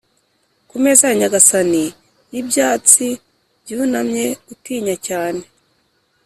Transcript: ku meza ya nyagasani y'ibyatsi byunamye. gutinya cyane